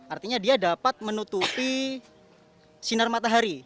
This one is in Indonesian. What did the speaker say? artinya dia dapat menutupi sinar matahari artinya dia dapat menutupi sinar matahari